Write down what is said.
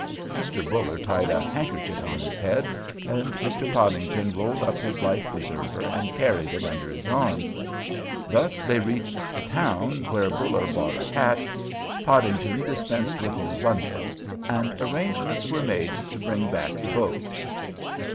Mr. Buller tied a handkerchief on his head, and Mr. Podington rolled up his life preserver and carried it under his arm. Thus they reached the town, where Buller bought a hat, Podington dispensed with his bundle, and arrangements were made to bring back the boat.